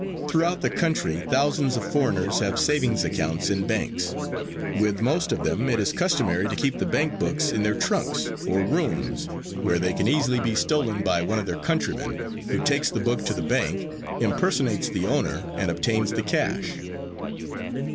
Throughout the country thousands of foreigners have savings accounts in banks. With most of them it is customary to keep the bank books in their trunks or rooms where they can easily be stolen by one of their countrymen, who takes the book to the bank, impersonates the owner and obtains the cash.